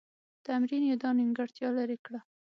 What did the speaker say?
تمرین یې دا نیمګړتیا لیري کړه.